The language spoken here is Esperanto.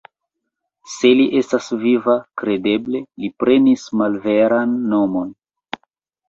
Se li estas viva, kredeble li prenis malveran nomon.